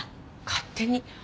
勝手に？